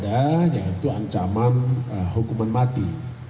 di ayat dua memang ada yaitu ancaman hukuman mati